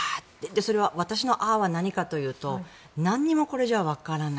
それは私の、あーは何かというと何もこれじゃわからない。